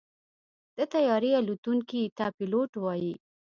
د طیارې الوتونکي ته پيلوټ وایي.